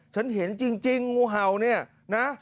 ฉันเห็นจริงงูเห่าเนี่ยนะ